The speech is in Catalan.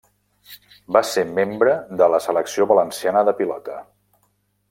Va ser membre de la Selecció Valenciana de Pilota.